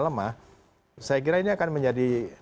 lemah saya kira ini akan menjadi